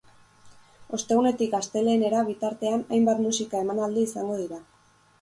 Ostegunetik astelehenera bitartean hainbat musika emanaldi izango dira.